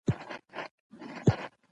سبک په اړه د ادبپوهانو نظريې دي.